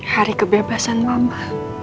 hari kebebasan mama